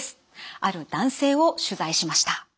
ある男性を取材しました。